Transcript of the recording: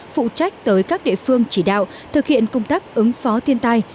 phụ trách tới các địa phương chỉ đạo thực hiện công tác ứng phó thiên tai